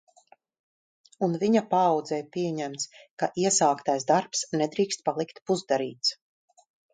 Un viņa paaudzē pieņemts, ka iesāktais darbs nedrīkst palikt pusdarīts.